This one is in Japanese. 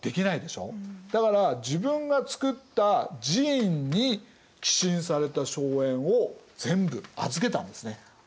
だから自分が造った寺院に寄進された荘園を全部預けたんですね。